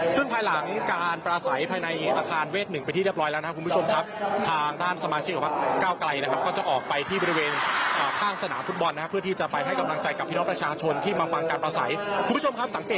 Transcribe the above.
ซึ่งภายหลังการประสายภายในอาคารเวช๑ไปได้เร็วร้อยแล้วนะครับคุณผู้ชมครับ